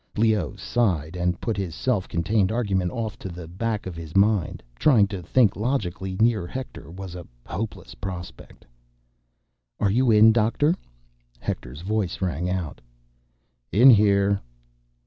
Leoh sighed and put his self contained argument off to the back of his mind. Trying to think logically near Hector was a hopeless prospect. "Are you in, doctor?" Hector's voice rang out. "In here."